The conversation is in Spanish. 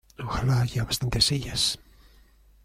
Ojalá haya bastantes sillas.